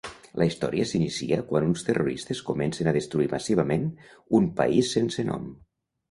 La història s'inicia quan uns terroristes comencen a destruir massivament un país sense nom.